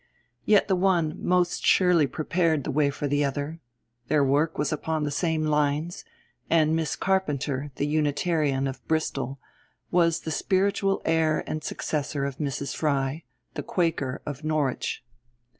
Yet the one most surely prepared the way for the other; their work was upon the same lines, and Miss Carpenter, the Unitarian, of Bristol, was the spiritual heir and successor of Mrs. Fry, the Quaker, of Norwich.